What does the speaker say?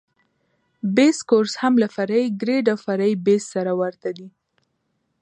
بیس کورس هم له فرعي ګریډ او فرعي بیس سره ورته دی